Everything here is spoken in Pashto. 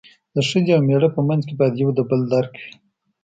د ښځې او مېړه په منځ کې باید یو د بل درک وي.